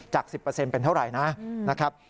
จาก๑๐เป็นเท่าไหร่นะครับ